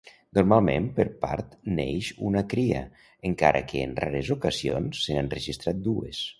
Normalment per part neix una cria, encara que en rares ocasions se n'han registrat dues.